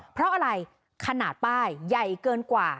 เพราะอะไรขนาดป้ายใหญ่เกินกว่า